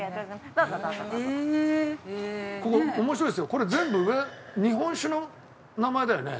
これ全部上日本酒の名前だよね？